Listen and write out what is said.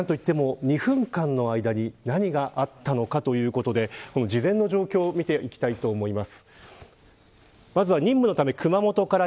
２分間の間に何があったのかということで事前の状況を見ていきたいと思います。